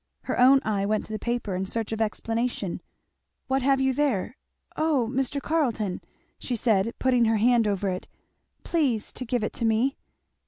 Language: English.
Her own eye went to the paper in search of explanation. "What have you there? Oh, Mr. Carleton," she said, putting her hand over it, "Please to give it to me!"